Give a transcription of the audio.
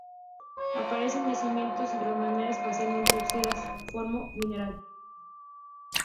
Aparece en yacimientos hidrotermales parcialmente oxidados, formado como mineral muy raro secundario del cobre-cinc.